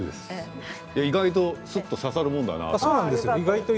意外とすっと刺さるもんだなと。